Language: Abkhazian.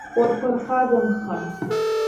Урԥырхагамхан!